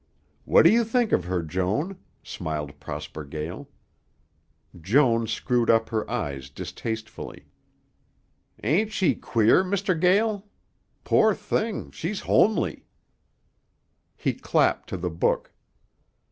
"What do you think of her, Joan?" smiled Prosper Gael. Joan screwed up her eyes distastefully. "Ain't she queer, Mr. Gael? Poor thing, she's homely!" He clapped to the book.